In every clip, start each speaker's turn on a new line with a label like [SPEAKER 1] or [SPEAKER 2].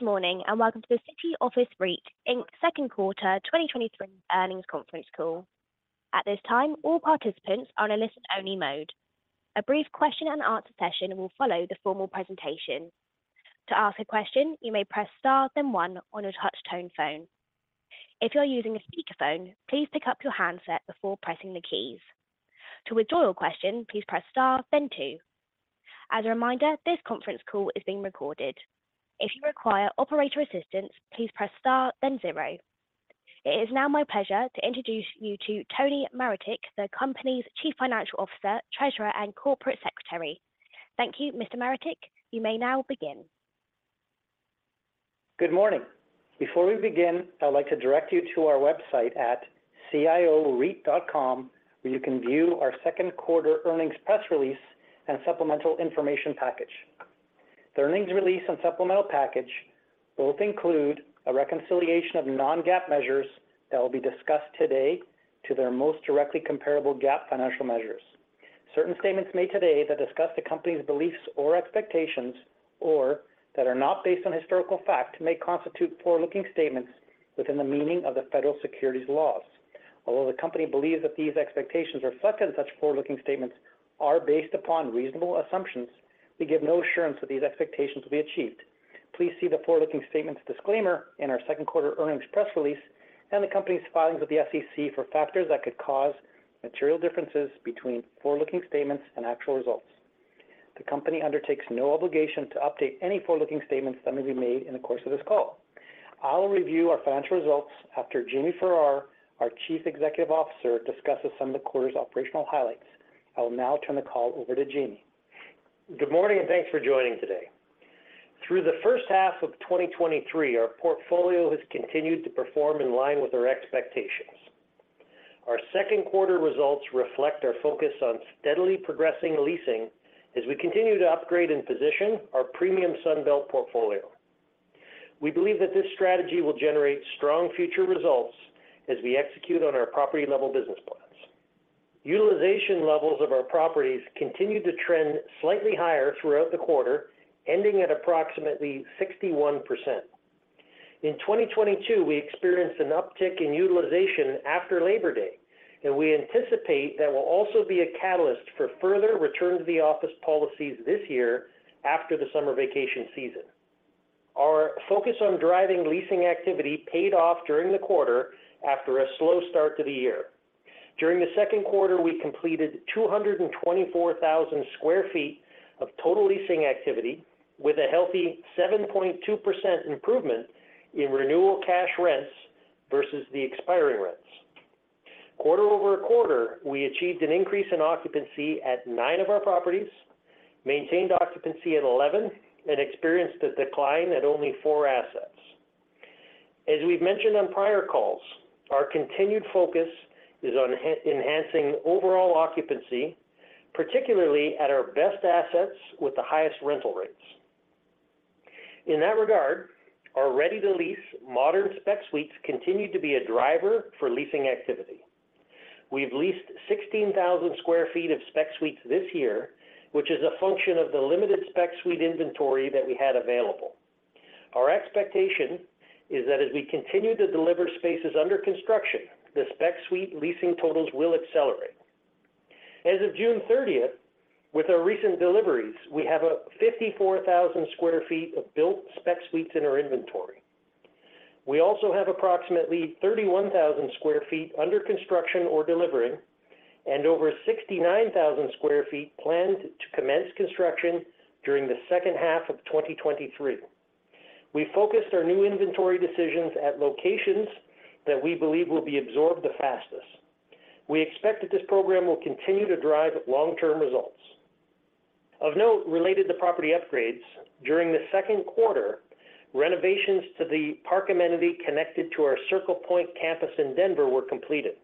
[SPEAKER 1] Good morning, welcome to the City Office REIT Inc's 2nd quarter 2023 earnings conference call. At this time, all participants are on a listen-only mode. A brief question and answer session will follow the formal presentation. To ask a question, you may press Star, then 1 on your touchtone phone. If you are using a speakerphone, please pick up your handset before pressing the keys. To withdraw your question, please press Star, then two. As a reminder, this conference call is being recorded. If you require operator assistance, please press Star, then zero. It is now my pleasure to introduce you to Anthony Maretic, the company's Chief Financial Officer, Treasurer, and Corporate Secretary. Thank you, Mr. Maretic. You may now begin.
[SPEAKER 2] Good morning. Before we begin, I'd like to direct you to our website at cioreit.com, where you can view our second quarter earnings press release and supplemental information package. The earnings release and supplemental package both include a reconciliation of non-GAAP measures that will be discussed today to their most directly comparable GAAP financial measures. Certain statements made today that discuss the company's beliefs or expectations, or that are not based on historical fact, may constitute forward-looking statements within the meaning of the federal securities laws. Although the company believes that these expectations reflected in such forward-looking statements are based upon reasonable assumptions, we give no assurance that these expectations will be achieved. Please see the forward-looking statements disclaimer in our second quarter earnings press release and the company's filings with the SEC for factors that could cause material differences between forward-looking statements and actual results. The company undertakes no obligation to update any forward-looking statements that may be made in the course of this call. I'll review our financial results after Jamie Farrar, our Chief Executive Officer, discusses some of the quarter's operational highlights. I will now turn the call over to Jamie.
[SPEAKER 3] Good morning, and thanks for joining today. Through the first half of 2023, our portfolio has continued to perform in line with our expectations. Our second quarter results reflect our focus on steadily progressing leasing as we continue to upgrade and position our premium Sun Belt portfolio. We believe that this strategy will generate strong future results as we execute on our property-level business plans. Utilization levels of our properties continued to trend slightly higher throughout the quarter, ending at approximately 61%. In 2022, we experienced an uptick in utilization after Labor Day, and we anticipate that will also be a catalyst for further return to the office policies this year after the summer vacation season. Our focus on driving leasing activity paid off during the quarter after a slow start to the year. During the second quarter, we completed 224,000 sq ft of total leasing activity, with a healthy 7.2% improvement in renewal cash rents versus the expiring rents. quarter-over-quarter, we achieved an increase in occupancy at nine of our properties, maintained occupancy at 11, and experienced a decline at only four assets. As we've mentioned on prior calls, our continued focus is on enhancing overall occupancy, particularly at our best assets with the highest rental rates. In that regard, our ready-to-lease modern spec suites continued to be a driver for leasing activity. We've leased 16,000 sq ft of spec suites this year, which is a function of the limited spec suite inventory that we had available. Our expectation is that as we continue to deliver spaces under construction, the spec suite leasing totals will accelerate. As of June 30th, with our recent deliveries, we have a 54,000 sq ft of built spec suites in our inventory. We also have approximately 31,000 sq ft under construction or delivery, and over 69,000 sq ft planned to commence construction during the second half of 2023. We focused our new inventory decisions at locations that we believe will be absorbed the fastest. We expect that this program will continue to drive long-term results. Of note, related to property upgrades, during the second quarter, renovations to the park amenity connected to our Circle Point campus in Denver were completed.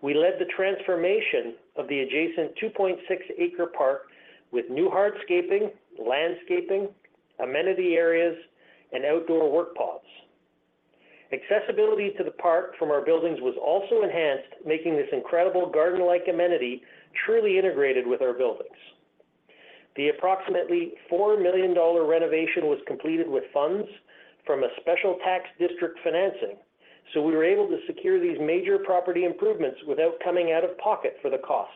[SPEAKER 3] We led the transformation of the adjacent 2.6 acre park with new hardscaping, landscaping, amenity areas, and outdoor work pods. Accessibility to the park from our buildings was also enhanced, making this incredible garden-like amenity truly integrated with our buildings. The approximately $4 million renovation was completed with funds from a special tax district financing, we were able to secure these major property improvements without coming out of pocket for the costs.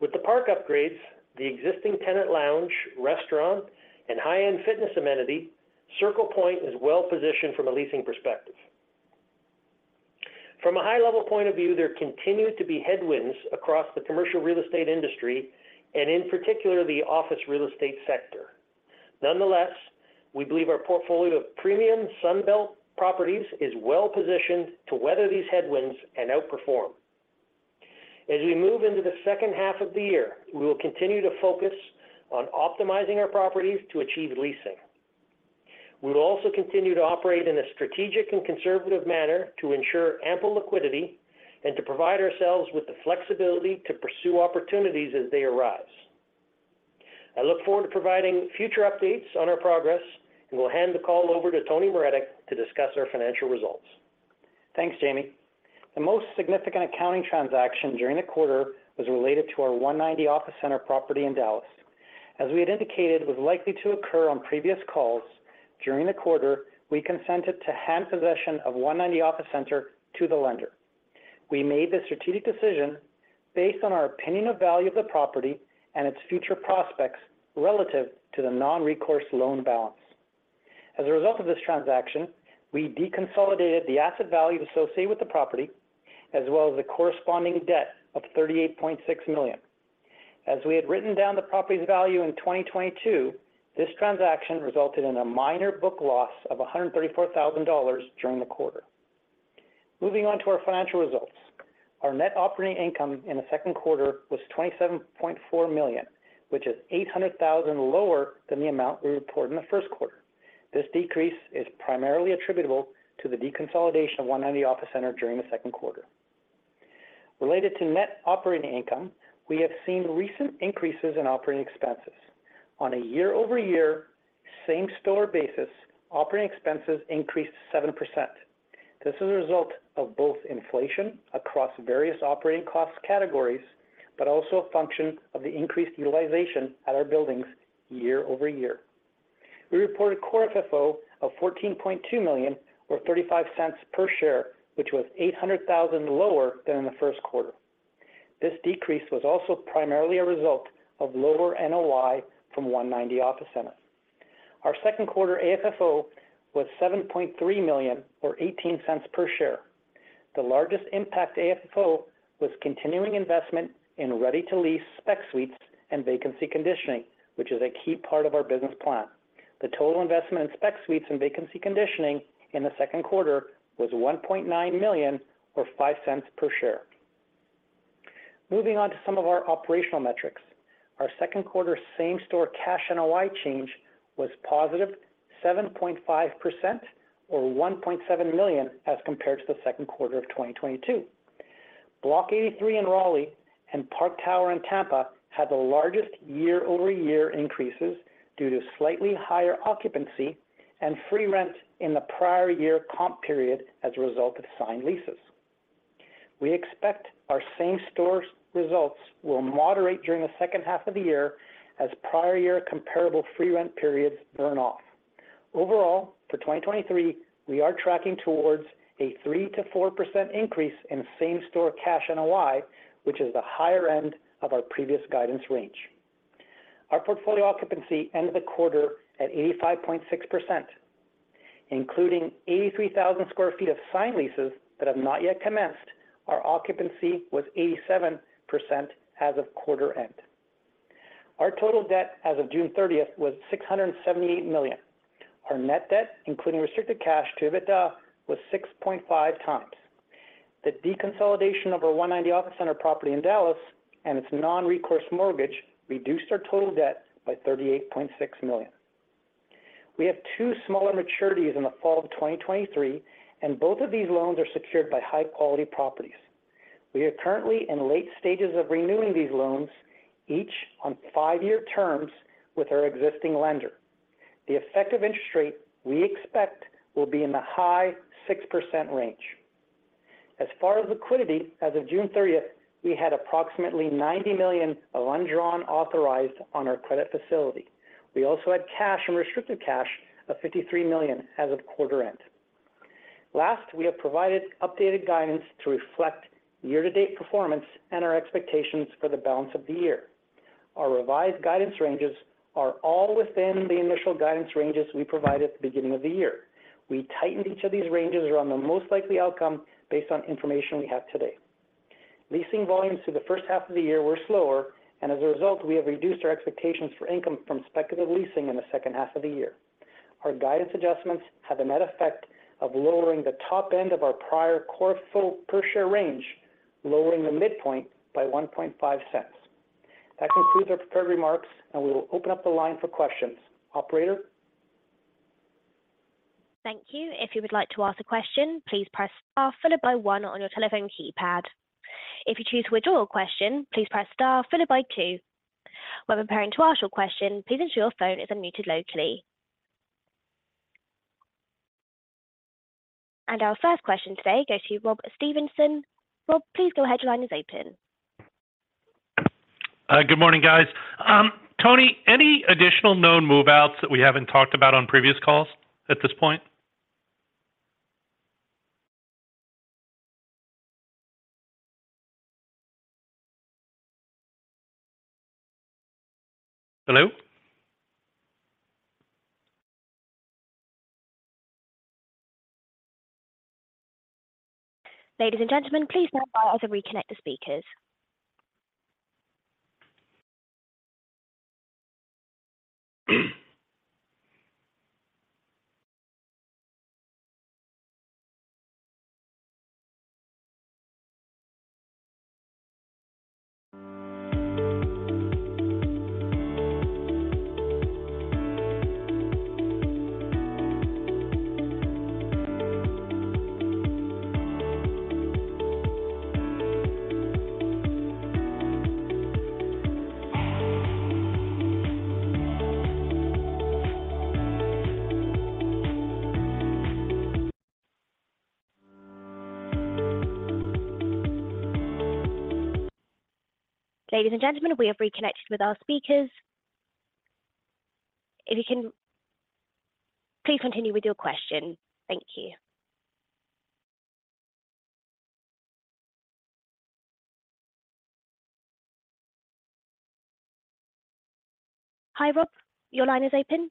[SPEAKER 3] With the park upgrades, the existing tenant lounge, restaurant, and high-end fitness amenity, Circle Point is well positioned from a leasing perspective. From a high level point of view, there continue to be headwinds across the commercial real estate industry and in particular, the office real estate sector. Nonetheless, we believe our portfolio of premium Sun Belt properties is well positioned to weather these headwinds and outperform. As we move into the second half of the year, we will continue to focus on optimizing our properties to achieve leasing. We will also continue to operate in a strategic and conservative manner to ensure ample liquidity and to provide ourselves with the flexibility to pursue opportunities as they arise. I look forward to providing future updates on our progress, and will hand the call over to Anthony Maretic to discuss our financial results.
[SPEAKER 2] Thanks, Jamie. The most significant accounting transaction during the quarter was related to our 190 Office Center property in Dallas. As we had indicated, was likely to occur on previous calls, during the quarter, we consented to hand possession of 190 Office Center to the lender. We made this strategic decision based on our opinion of value of the property and its future prospects relative to the non-recourse loan balance. As a result of this transaction, we deconsolidated the asset value associated with the property, as well as the corresponding debt of $38.6 million. As we had written down the property's value in 2022, this transaction resulted in a minor book loss of $134,000 during the quarter. Moving on to our financial results. Our net operating income in the second quarter was $27.4 million, which is $800,000 lower than the amount we reported in the first quarter. This decrease is primarily attributable to the deconsolidation of 190 Office Center during the second quarter. Related to net operating income, we have seen recent increases in operating expenses. On a year-over-year, same-store basis, operating expenses increased 7%. This is a result of both inflation across various operating cost categories, but also a function of the increased utilization at our buildings year-over-year. We reported core FFO of $14.2 million or $0.35 per share, which was $800,000 lower than in the first quarter. This decrease was also primarily a result of lower NOI from 190 Office Center. Our second quarter AFFO was $7.3 million or $0.18 per share. The largest impact to AFFO was continuing investment in ready-to-lease spec suites and vacancy conditioning, which is a key part of our business plan. The total investment in spec suites and vacancy conditioning in the second quarter was $1.9 million or $0.05 per share. Moving on to some of our operational metrics. Our second quarter same-store cash NOI change was positive 7.5% or $1.7 million as compared to the second quarter of 2022. Block 83 in Raleigh and Park Tower in Tampa had the largest year-over-year increases due to slightly higher occupancy and free rent in the prior year comp period as a result of signed leases. We expect our same-store results will moderate during the second half of the year as prior year comparable free rent periods burn off. Overall, for 2023, we are tracking towards a 3%-4% increase in same-store cash NOI, which is the higher end of our previous guidance range. Our portfolio occupancy ended the quarter at 85.6%, including 83,000 sq ft of signed leases that have not yet commenced. Our occupancy was 87% as of quarter end. Our total debt as of June 30th was $678 million. Our net debt, including restricted cash to EBITDA, was 6.5 times. The deconsolidation of our 190 Office Center property in Dallas and its non-recourse mortgage reduced our total debt by $38.6 million. We have two smaller maturities in the fall of 2023. Both of these loans are secured by high-quality properties. We are currently in late stages of renewing these loans, each on five-year terms with our existing lender. The effective interest rate we expect will be in the high 6% range. As far as liquidity, as of June 30th, we had approximately $90 million of undrawn authorized on our credit facility. We also had cash and restricted cash of $53 million as of quarter end. Last, we have provided updated guidance to reflect year-to-date performance and our expectations for the balance of the year. Our revised guidance ranges are all within the initial guidance ranges we provided at the beginning of the year. We tightened each of these ranges around the most likely outcome based on information we have today. Leasing volumes through the first half of the year were slower, and as a result, we have reduced our expectations for income from speculative leasing in the second half of the year. Our guidance adjustments have a net effect of lowering the top end of our prior core FFO per share range, lowering the midpoint by $0.015. That concludes our prepared remarks, and we will open up the line for questions. Operator?
[SPEAKER 1] Thank you. If you would like to ask a question, please press star followed by one on your telephone keypad. If you choose to withdraw a question, please press star followed by two. When preparing to ask your question, please ensure your phone is unmuted locally. Our first question today goes to Rob Stevenson. Rob, please go ahead. Your line is open.
[SPEAKER 4] Good morning, guys. Tony, any additional known move-outs that we haven't talked about on previous calls at this point? Hello?
[SPEAKER 1] Ladies and gentlemen, please stand by as we reconnect the speakers. Ladies and gentlemen, we have reconnected with our speakers. If you can please continue with your question. Thank you. Hi, Rob. Your line is open. ...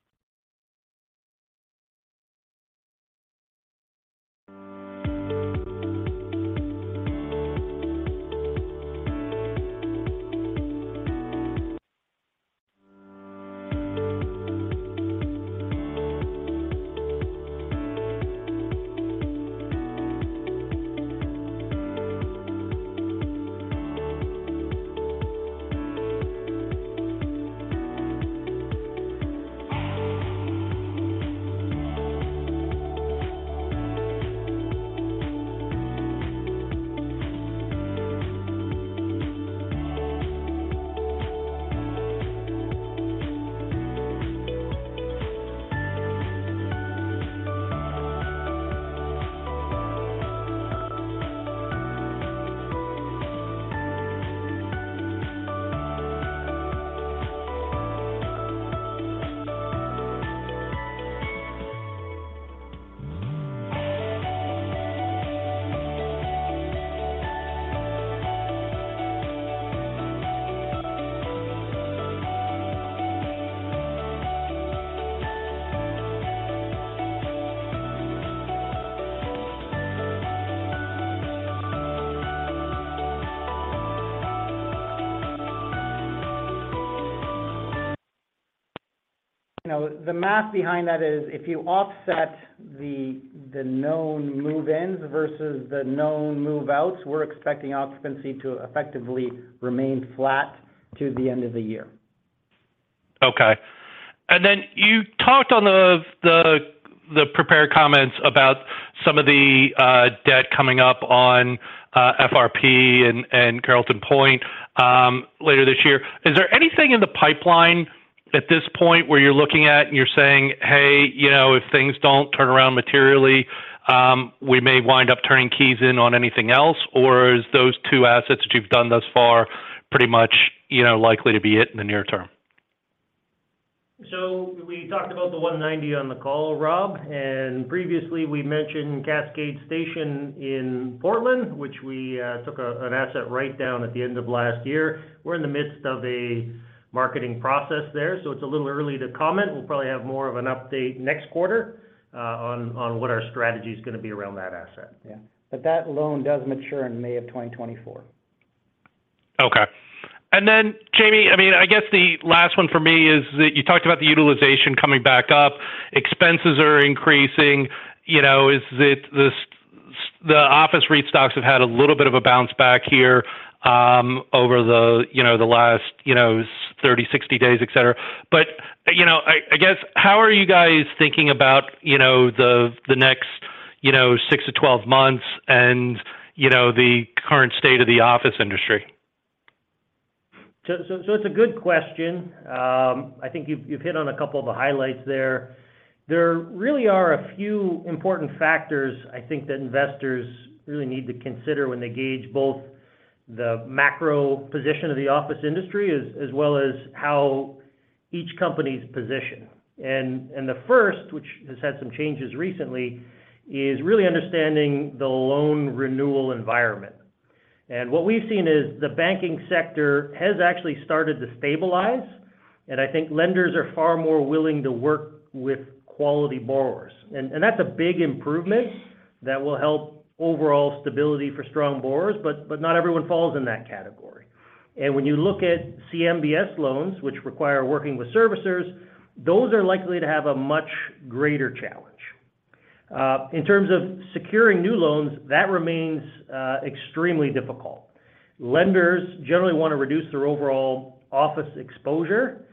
[SPEAKER 3] You know, the math behind that is if you offset the, the known move-ins versus the known move-outs, we're expecting occupancy to effectively remain flat to the end of the year.
[SPEAKER 4] Okay. Then you talked on the, the, the prepared comments about some of the debt coming up on FRP and Carillon Point later this year. Is there anything in the pipeline at this point where you're looking at and you're saying, "Hey, you know, if things don't turn around materially, we may wind up turning keys in on anything else?" Or is those two assets that you've done thus far pretty much, you know, likely to be it in the near term?
[SPEAKER 3] We talked about the 190 on the call, Rob, and previously we mentioned Cascade Station in Portland, which we took an asset write down at the end of last year. We're in the midst of a marketing process there, so it's a little early to comment. We'll probably have more of an update next quarter on what our strategy is gonna be around that asset.
[SPEAKER 2] Yeah. That loan does mature in May of 2024.
[SPEAKER 4] Okay. Then, Jamie, I mean, I guess the last one for me is that you talked about the utilization coming back up. Expenses are increasing, you know, the office REIT stocks have had a little bit of a bounce back here over the, you know, the last, you know, 30, 60 days, et cetera. You know, I, I guess, how are you guys thinking about, you know, the, the next, you know, six to 12 months and, you know, the current state of the office industry?
[SPEAKER 3] So it's a good question. I think you've, you've hit on a couple of the highlights there. There really are a few important factors I think that investors really need to consider when they gauge both the macro position of the office industry as, as well as how each company's position. The first, which has had some changes recently, is really understanding the loan renewal environment. What we've seen is the banking sector has actually started to stabilize, and I think lenders are far more willing to work with quality borrowers. That's a big improvement that will help overall stability for strong borrowers, but not everyone falls in that category. When you look at CMBS loans, which require working with servicers, those are likely to have a much greater challenge. In terms of securing new loans, that remains extremely difficult. Lenders generally want to reduce their overall office exposure,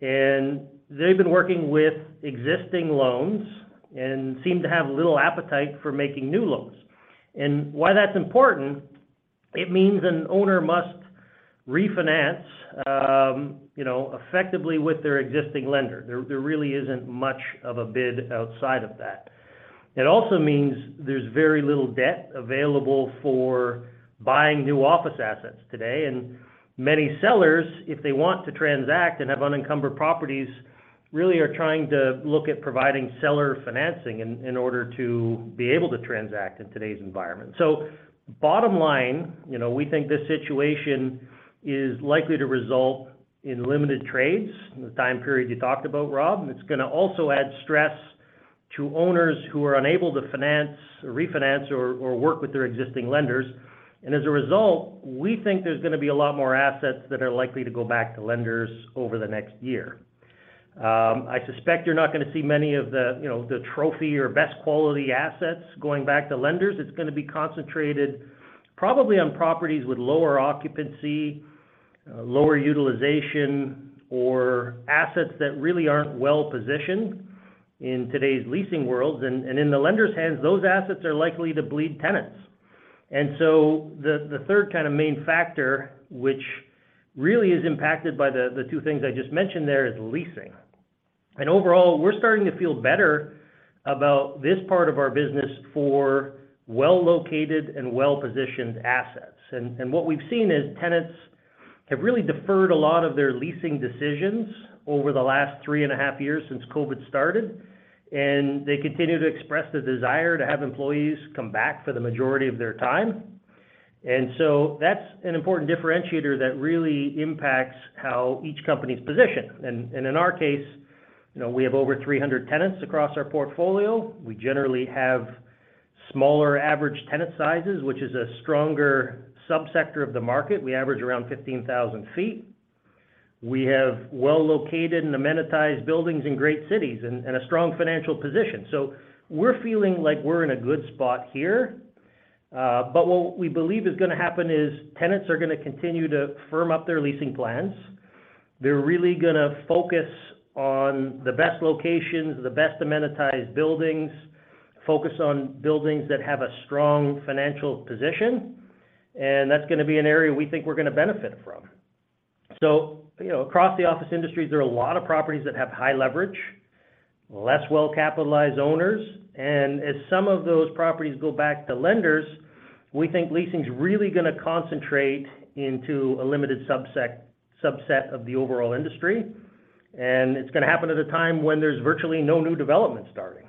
[SPEAKER 3] and they've been working with existing loans and seem to have little appetite for making new loans. Why that's important, it means an owner must refinance, you know, effectively with their existing lender. There really isn't much of a bid outside of that. It also means there's very little debt available for buying new office assets today, and many sellers, if they want to transact and have unencumbered properties, really are trying to look at providing seller financing in, in order to be able to transact in today's environment. Bottom line, you know, we think this situation is likely to result in limited trades in the time period you talked about, Rob. It's gonna also add stress to owners who are unable to finance or refinance or, or work with their existing lenders. As a result, we think there's gonna be a lot more assets that are likely to go back to lenders over the next year. I suspect you're not gonna see many of the, you know, the trophy or best quality assets going back to lenders. It's gonna be concentrated probably on properties with lower occupancy, lower utilization, or assets that really aren't well-positioned in today's leasing world. In the lender's hands, those assets are likely to bleed tenants. So the, the third kind of main factor, which really is impacted by the, the two things I just mentioned there, is leasing. Overall, we're starting to feel better about this part of our business for well-located and well-positioned assets. What we've seen is tenants have really deferred a lot of their leasing decisions over the last 3.5 years since COVID started, and they continue to express the desire to have employees come back for the majority of their time. That's an important differentiator that really impacts how each company's positioned. In our case, you know, we have over 300 tenants across our portfolio. We generally have smaller average tenant sizes, which is a stronger subsector of the market. We average around 15,000 feet. We have well-located and amenitized buildings in great cities and a strong financial position. We're feeling like we're in a good spot here, but what we believe is gonna happen is tenants are gonna continue to firm up their leasing plans. They're really gonna focus on the best locations, the best amenitized buildings, focus on buildings that have a strong financial position, and that's gonna be an area we think we're gonna benefit from. You know, across the office industry, there are a lot of properties that have high leverage, less well-capitalized owners, and as some of those properties go back to lenders, we think leasing is really gonna concentrate into a limited subset of the overall industry, and it's gonna happen at a time when there's virtually no new development starting.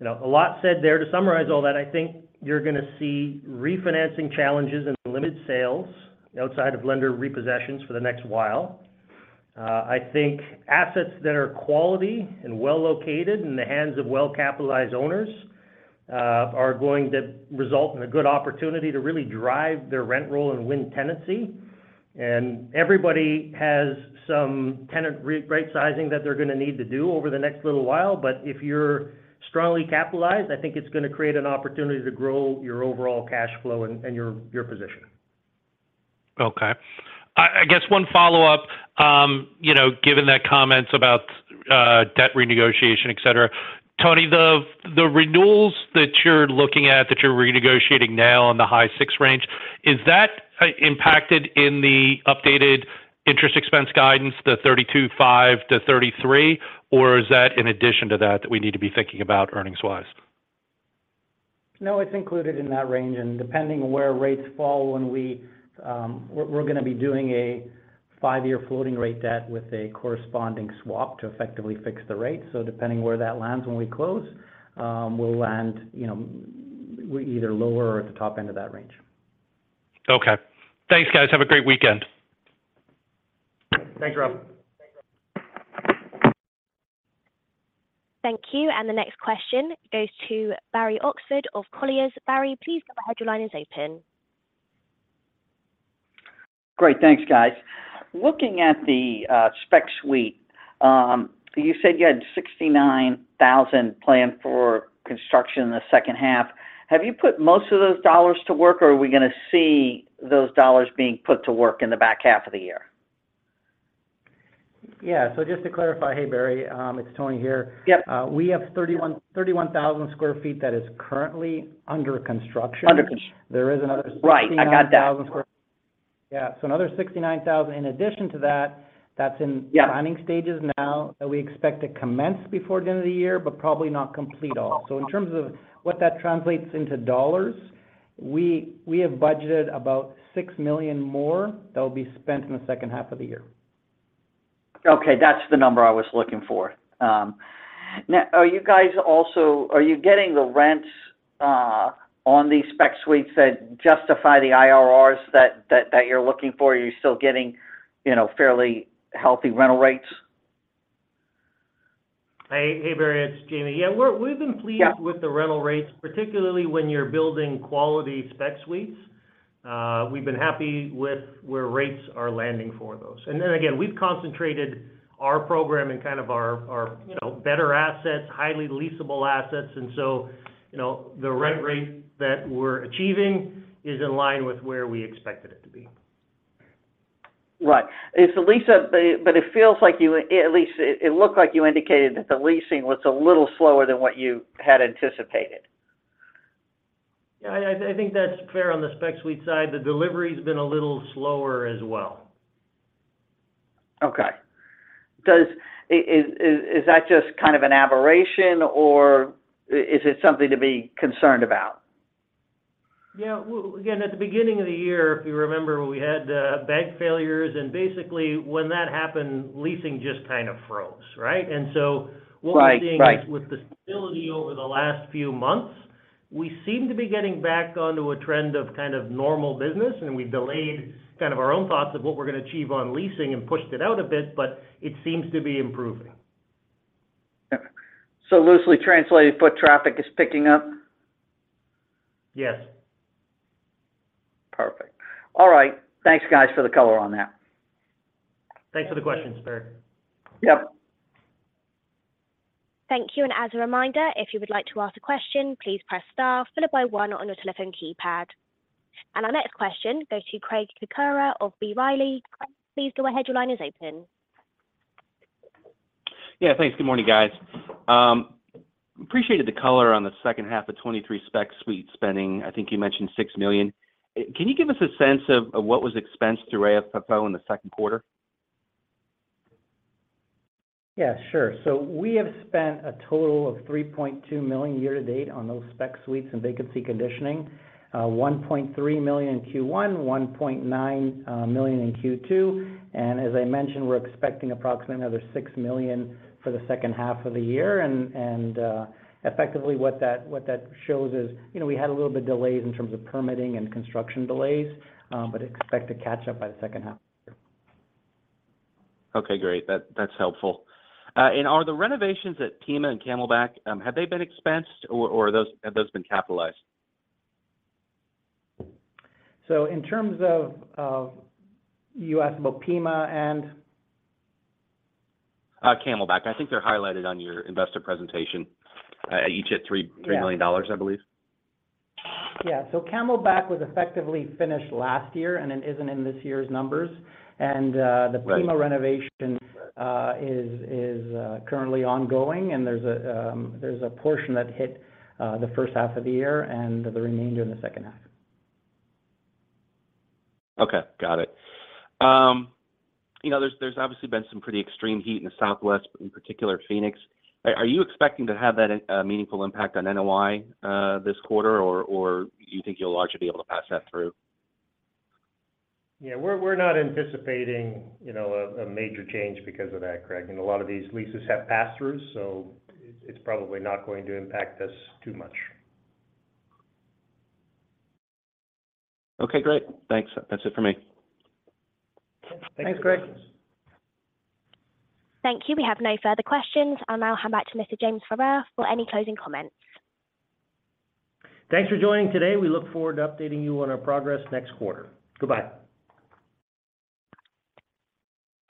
[SPEAKER 3] You know, a lot said there. To summarize all that, I think you're gonna see refinancing challenges and limited sales outside of lender repossessions for the next while. I think assets that are quality and well-located in the hands of well-capitalized owners are going to result in a good opportunity to really drive their rent roll and win tenancy. Everybody has some tenant rightsizing that they're gonna need to do over the next little while. If you're strongly capitalized, I think it's gonna create an opportunity to grow your overall cash flow and, and your, your position.
[SPEAKER 4] Okay. I, I guess one follow-up, you know, given the comments about debt renegotiation, et cetera. Tony, the, the renewals that you're looking at, that you're renegotiating now on the high 6 range, is that impacted in the updated interest expense guidance, the $32.5-$33, or is that in addition to that, that we need to be thinking about earnings wise?
[SPEAKER 2] No, it's included in that range. Depending on where rates fall when we... We're, we're gonna be doing a 5-year floating rate debt with a corresponding swap to effectively fix the rate. Depending on where that lands, when we close, we'll land, you know, we're either lower or at the top end of that range.
[SPEAKER 4] Okay. Thanks, guys. Have a great weekend.
[SPEAKER 3] Thanks, Rob.
[SPEAKER 1] Thank you. The next question goes to Barry Oxford of Colliers. Barry, please go ahead. Your line is open.
[SPEAKER 5] Great. Thanks, guys. Looking at the spec suite, you said you had $69,000 planned for construction in the second half. Have you put most of those dollars to work, or are we gonna see those dollars being put to work in the back half of the year?
[SPEAKER 2] Yeah. just to clarify-- Hey, Barry, it's Tony here.
[SPEAKER 5] Yep.
[SPEAKER 2] We have 31,000 sq ft that is currently under construction.
[SPEAKER 5] Under.
[SPEAKER 2] There is another 69-
[SPEAKER 5] Right, I got that....
[SPEAKER 2] 1,000 sq ft. Yeah, so another 69,000 in addition to that, that's in-
[SPEAKER 5] Yeah
[SPEAKER 2] planning stages now, that we expect to commence before the end of the year, but probably not complete all. In terms of what that translates into dollars, we, we have budgeted about $6 million more that will be spent in the second half of the year.
[SPEAKER 5] Okay, that's the number I was looking for. Now, are you getting the rents on these spec suites that justify the IRRs that, that, that you're looking for? Are you still getting, you know, fairly healthy rental rates?
[SPEAKER 3] Hey, hey, Barry, it's Jamie. Yeah, we've been pleased.
[SPEAKER 5] Yeah...
[SPEAKER 3] with the rental rates, particularly when you're building quality spec suites. We've been happy with where rates are landing for those. Then again, we've concentrated our program in kind of our, our, you know, better assets, highly leasable assets, and so, you know, the rent rate that we're achieving is in line with where we expected it to be.
[SPEAKER 5] Right. It's a lease up, but, but it feels like you, at least, it, it looked like you indicated that the leasing was a little slower than what you had anticipated.
[SPEAKER 3] Yeah, I, I think that's fair on the spec suite side. The delivery has been a little slower as well.
[SPEAKER 5] Okay. Does... is that just kind of an aberration, or is it something to be concerned about?
[SPEAKER 3] Yeah, well, again, at the beginning of the year, if you remember, we had, bank failures, and basically when that happened, leasing just kind of froze, right?
[SPEAKER 5] Right. Right....
[SPEAKER 3] what we're seeing with the stability over the last few months, we seem to be getting back onto a trend of kind of normal business, and we've delayed kind of our own thoughts of what we're going to achieve on leasing and pushed it out a bit, but it seems to be improving.
[SPEAKER 5] Okay. Loosely translated, foot traffic is picking up?
[SPEAKER 3] Yes.
[SPEAKER 5] Perfect. All right. Thanks, guys, for the color on that.
[SPEAKER 3] Thanks for the questions, Barry.
[SPEAKER 5] Yep.
[SPEAKER 1] Thank you. As a reminder, if you would like to ask a question, please press star followed by one on your telephone keypad. Our next question goes to Craig Kucera of B. Riley Securities. Craig, please go ahead. Your line is open.
[SPEAKER 6] Yeah, thanks. Good morning, guys. Appreciated the color on the second half of 2023 spec suite spending. I think you mentioned $6 million. Can you give us a sense of, of what was expensed through AFFO in the second quarter?
[SPEAKER 2] Yeah, sure. We have spent a total of $3.2 million year-to-date on those spec suites and vacancy conditioning. $1.3 million in Q1, $1.9 million in Q2. As I mentioned, we're expecting approximately another $6 million for the second half of the year. Effectively what that, what that shows is, you know, we had a little bit of delays in terms of permitting and construction delays, but expect to catch up by the second half.
[SPEAKER 6] Okay, great. That, that's helpful. Are the renovations at Pima and Camelback, have they been expensed or have those been capitalized?
[SPEAKER 2] In terms of, you asked about Pima and?
[SPEAKER 6] Camelback. I think they're highlighted on your investor presentation, each at three...
[SPEAKER 2] Yeah...
[SPEAKER 6] $3 million, I believe.
[SPEAKER 2] Yeah. Camelback was effectively finished last year and it isn't in this year's numbers.
[SPEAKER 6] Right.
[SPEAKER 2] The Pima renovation is, is currently ongoing, and there's a portion that hit the first half of the year and the remainder in the second half.
[SPEAKER 6] Okay, got it. You know, there's, there's obviously been some pretty extreme heat in the Southwest, in particular, Phoenix. Are you expecting to have that meaningful impact on NOI this quarter, or you think you'll largely be able to pass that through?
[SPEAKER 2] Yeah, we're, we're not anticipating, you know, a, a major change because of that, Greg. A lot of these leases have pass-throughs, so it's, it's probably not going to impact us too much.
[SPEAKER 6] Okay, great. Thanks. That's it for me.
[SPEAKER 2] Thanks, Greg.
[SPEAKER 1] Thank you. We have no further questions. I'll now hand back to Mr. James Farrar for any closing comments.
[SPEAKER 2] Thanks for joining today. We look forward to updating you on our progress next quarter. Goodbye.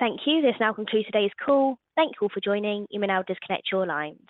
[SPEAKER 1] Thank you. This now concludes today's call. Thank you all for joining. You may now disconnect your lines.